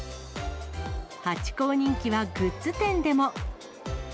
ハチ公人気はグッズ店でも。